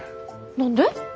何で？